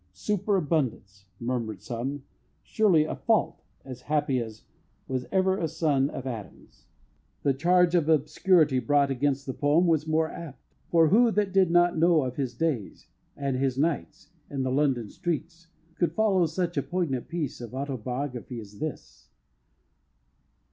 "Superabundance," murmured some surely a "fault" as happy as was ever son of Adam's. The charge of obscurity brought against the poem was more apt; for who that did not know of his days and his nights in the London streets, could follow such a poignant piece of autobiography as this?